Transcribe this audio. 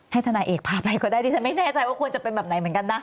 ทนายเอกพาไปก็ได้ดิฉันไม่แน่ใจว่าควรจะเป็นแบบไหนเหมือนกันนะ